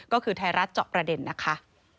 ก็คือไทยรัฐเจาะประเด็นนะคะ